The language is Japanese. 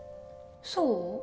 そう？